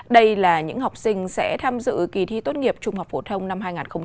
đây là những học sinh sẽ tham dự kỳ thi tốt nghiệp trung học phổ thông năm hai nghìn hai mươi